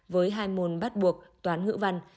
với hai môn bắt buộc toán ngữ văn